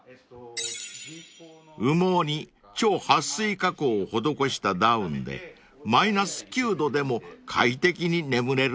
［羽毛に超はっ水加工を施したダウンでマイナス９℃でも快適に眠れるんだそうです］